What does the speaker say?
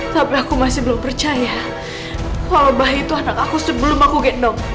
tapi aku masih belum percaya walbah itu anak aku sebelum aku gendong